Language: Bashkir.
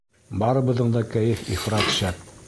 Барыбыҙҙың да кәйеф ифрат шәп.